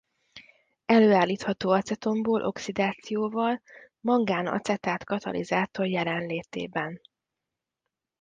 Előállítható acetonból oxidációval mangán-acetát katalizátor jelenlétében.